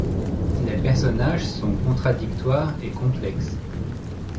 Les personnages sont contradictoires et complexes.